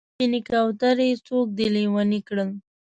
و سپینې کوترې! څوک دې لېونی کړل؟